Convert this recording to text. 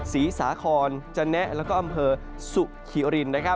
ซีศาคอนจนแนะสุขิโอลิณ